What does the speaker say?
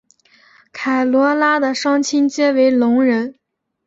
凯萝拉的双亲皆为聋人。